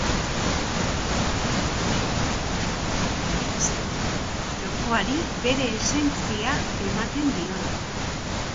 Honek ziklo bat adierazten du, jokoari bere esentzia ematen diona.